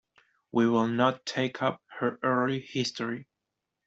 We will not take up her early history.